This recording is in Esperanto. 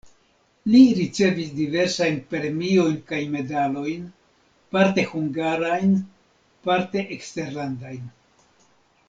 Li ricevis diversajn premiojn kaj medalojn parte hungarajn, parte eksterlandajn.